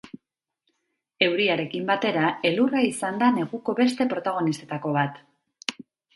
Euriarekin batera, elurra izan da neguko beste protagonistetako bat.